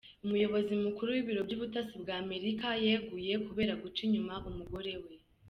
Umuyobozi mukuru w’Ibiro by’Ubutasi bw’america yeguye kubera guca inyuma umugore we